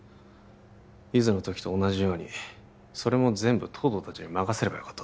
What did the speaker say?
ゆづの時と同じようにそれも全部東堂達に任せればよかった